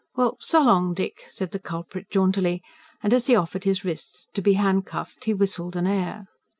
"Well, so long, Dick!" said the culprit jauntily; and, as he offered his wrists to be handcuffed, he whistled an air.